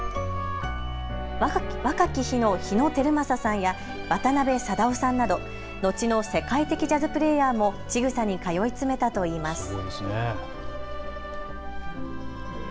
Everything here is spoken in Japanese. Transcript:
若き日の日野皓正さんや渡辺貞夫さんなど後の世界的ジャズプレーヤーもちぐさに通い詰めたといいます。